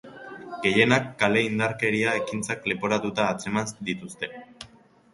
Gehienak kale indarkeria ekintzak leporatuta atzeman dituzte.